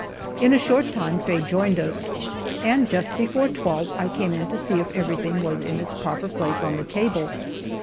In a short time Faye joined us, and just before twelve I came in to see if everything was in its proper place on the table.